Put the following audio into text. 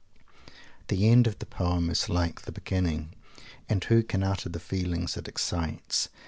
The end of the poem is like the beginning, and who can utter the feelings it excites?